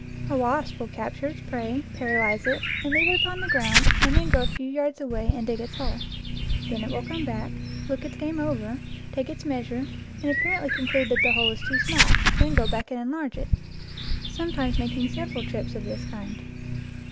A wasp will capture its prey, paralyze it, and leave it upon the ground and then go a few yards away and dig its hole. Then it will come back, look its game over, take its measure, and apparently con clude that the hole is too small, then go back and enlarge it, sometimes making several trips of this 37 NEW GLEANINGS IN OLD FIELDS kind.